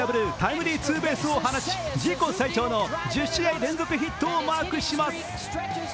スリーベースを放ち、自己最長の１０試合連続ヒットをマークします。